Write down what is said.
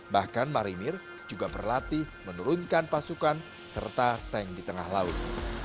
bahkan marinir juga berlatih menurunkan pasukan serta tank di tengah laut